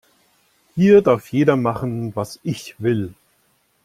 Hier darf jeder machen, was ich will.